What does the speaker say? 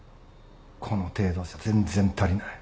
この程度じゃ全然足りない。